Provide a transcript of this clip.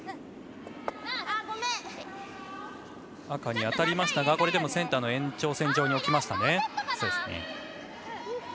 赤に当たりましたがセンターの延長線上に置きました。